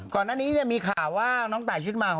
ก่อนหน้านี้มีข่าวว่าน้องตายชุดเมา